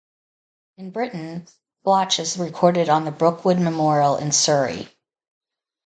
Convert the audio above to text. In Britain, Bloch is recorded on the Brookwood Memorial in Surrey.